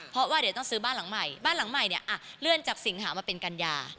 เพราะว่าเดี๋ยวต้องซื้อบ้านหลังใหม่บ้านหลังใหม่เนี่ยเลื่อนจากสิงหามาเป็นกัญญา